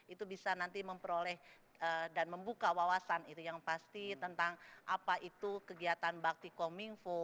itu bisa nanti memperoleh dan membuka wawasan itu yang pasti tentang apa itu kegiatan bakti komingfo